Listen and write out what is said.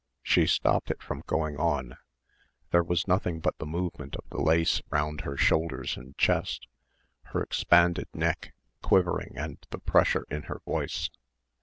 She stopped it from going on. There was nothing but the movement of the lace round her shoulders and chest, her expanded neck, quivering, and the pressure in her voice....